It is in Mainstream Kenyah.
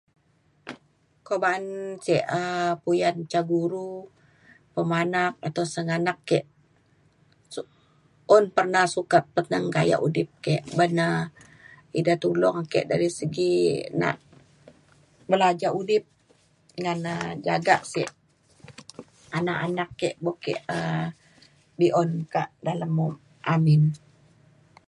kuak ba’an ce um puyan ca guru pemanak atau sengganak ke su- un pernah sukat peteneng gayak udip ke ban na ida tulong ake dari segi nak belajak udip ngan um jagak sek anak anak ke buk ke um be’un kak dalem u- amin.